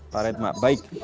pak redma baik